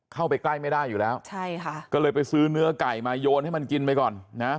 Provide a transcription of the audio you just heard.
เข้าไปใกล้ไม่ได้อยู่แล้วใช่ค่ะก็เลยไปซื้อเนื้อไก่มาโยนให้มันกินไปก่อนนะ